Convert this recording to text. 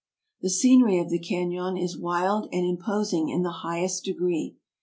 The scenery of the canon is wild and imposing in the high est degree.